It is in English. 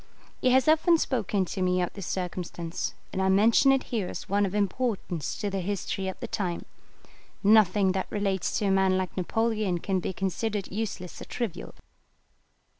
He has often spoken to me of this circumstance, and I mention it here as one of importance to the history of the time. Nothing that relates to a man like Napoleon can be considered useless or trivial.